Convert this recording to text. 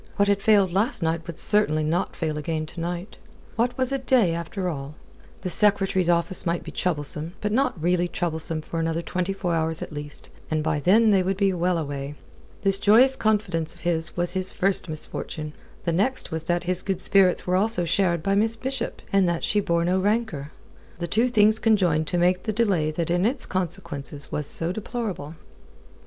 What had failed last night would certainly not fail again to night. What was a day, after all? The Secretary's office might be troublesome, but not really troublesome for another twenty four hours at least; and by then they would be well away. This joyous confidence of his was his first misfortune. The next was that his good spirits were also shared by Miss Bishop, and that she bore no rancour. The two things conjoined to make the delay that in its consequences was so deplorable.